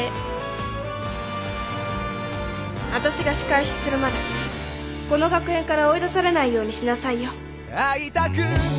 わたしが仕返しするまでこの学園から追い出されないようにしなさいよ。